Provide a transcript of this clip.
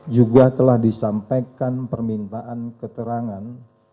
juga telah disampaikan permintaan keterangan